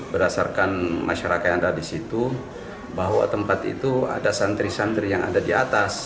berdasarkan masyarakat yang ada di situ bahwa tempat itu ada santri santri yang ada di atas